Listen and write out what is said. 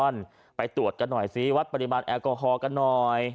แล้วขับมาแรงไว้